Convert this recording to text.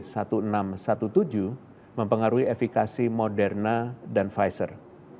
varian b satu enam satu tujuh mempengaruhi efikasi moderna dan pfizer